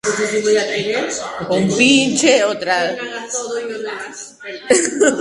Los bordes de cada segmento se enrollan.